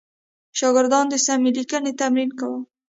شاګردانو د سمې لیکنې تمرین کاوه.